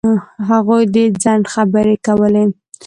هغوی د ځنډ خبرې کولې.